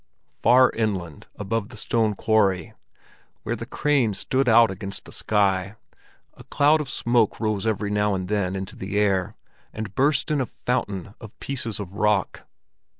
Far inland above the stone quarry, where the cranes stood out against the sky, a cloud of smoke rose every now and then into the air, and burst in a fountain of pieces of rock.